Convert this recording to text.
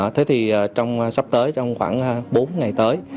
thế thì trong sắp tới trong khoảng bốn ngày tới